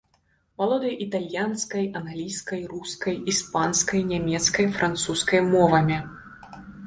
Валодае італьянскай, англійскай, рускай, іспанскай, нямецкай, французскай мовамі.